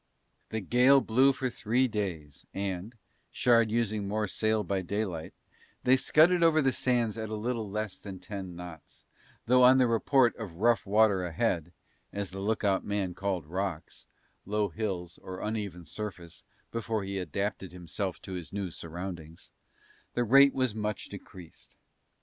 The gale blew for three days and, Shard using more sail by daylight, they scudded over the sands at little less than ten knots, though on the report of rough water ahead (as the lookout man called rocks, low hills or uneven surface before he adapted himself to his new surroundings) the rate was much decreased.